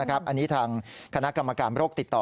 อันนี้ทางคณะกรรมการโรคติดต่อ